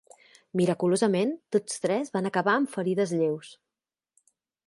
Miraculosament, tots tres van acabar amb ferides lleus.